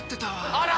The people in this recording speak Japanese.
あら。